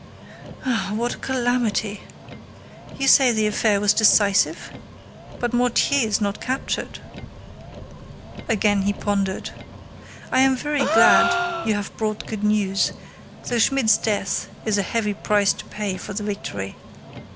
"Ah what a calamity! You say the affair was decisive? But Mortier is not captured." Again he pondered. "I am very glad you have brought good news, though Schmidt's death is a heavy price to pay for the victory.